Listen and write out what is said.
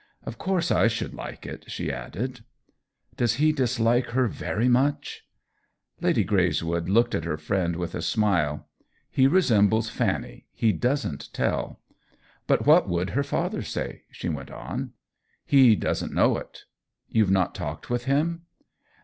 Of course I should like it !" she added. THE WHEEL OF TIME 23 " Does he dislike her very much ?" Lady Greyswood looked at her friend with a smile. " He resembles Fanny — he doesn't tell. But what would her father say?" she went on. " He doesn't know it." " You've not talked with him